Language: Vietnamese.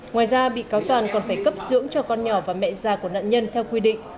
ngoài ra bị cáo toàn còn phải cấp dưỡng cho con nhỏ và mẹ già của nạn nhân theo quy định